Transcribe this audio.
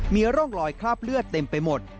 มีร่องรอยคราบเลือดเต็มไปหมด